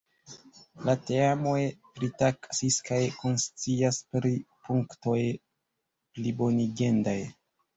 La teamoj pritaksis kaj konscias pri punktoj plibonigendaj.